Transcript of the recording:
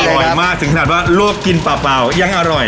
อร่อยมากถึงขนาดว่าโลกกินเปล่ายังอร่อย